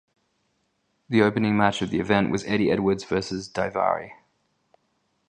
The opening match of the event was Eddie Edwards versus Daivari.